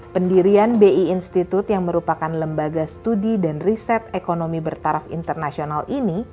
pendirian bi institute yang merupakan lembaga studi dan riset ekonomi bertaraf internasional ini